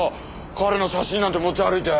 彼の写真なんて持ち歩いて。